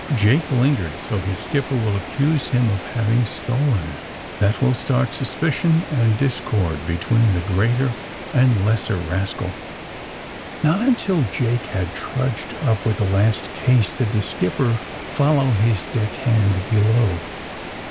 Jake lingered, so his skipper will accuse him of having stolen it. That will start sus picion and discord between the greater and the lesser rascal!" AND THE SMUGGLERS 89 Not until Jake had trudged up with the last case did the skipper follow his deck hand below.